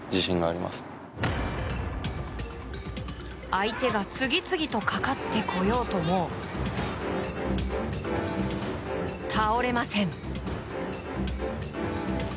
相手が次々とかかってこようとも倒れません。